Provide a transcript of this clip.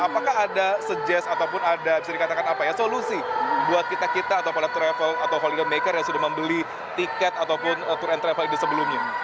apakah ada suggest ataupun ada bisa dikatakan apa ya solusi buat kita kita atau para travel atau holidamaker yang sudah membeli tiket ataupun tour and travel ini sebelumnya